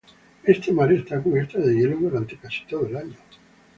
Este mar está cubierto de hielo durante casi todo el año.